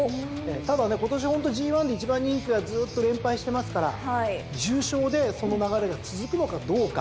ただね今年ＧⅠで１番人気がずっと連敗してますから重賞でその流れが続くのかどうか。